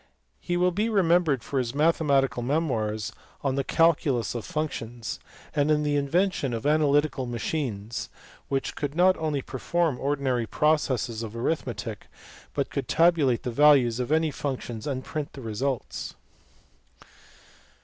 He will be remembered for his mathematical memoirs on the calculus of functions, and his invention of an analytical machine which could not only perform the ordinary processes of arithmetic but could tabu late the values of any function and print the results.